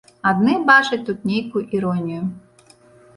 Адны бачаць тут нейкую іронію.